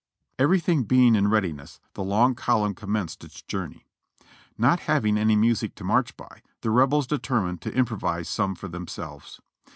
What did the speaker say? Everything being in readiness, the long column commenced its journey ; not having any music to march by, the Rebels deter mined to improvise some for themselves.